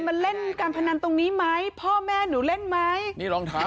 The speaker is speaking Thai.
มาเล่นการพนันตรงนี้ไหมพ่อแม่หนูเล่นไหมนี่รองเท้า